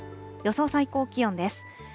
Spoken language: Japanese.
予想最高気温です。